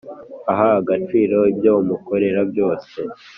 Aha agaciro ibyo umukorera byose